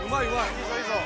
いいぞいいぞ！